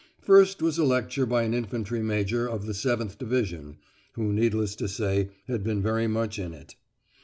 First was a lecture by an infantry major of the Seventh Division (who needless to say had been very much in it!).